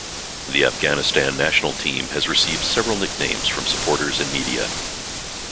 The Afghanistan national team has received several nicknames from supporters and media.